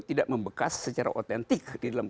tidak membekas secara otentik di dalam